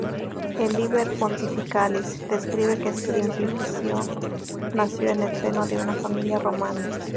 El "Liber Pontificalis", describe que Simplicio nació en el seno de una familia romana.